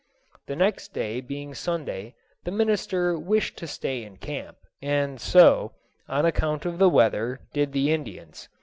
The next day being Sunday, the minister wished to stay in camp; and so, on account of the weather, did the Indians.